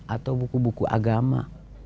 atau buku buku agama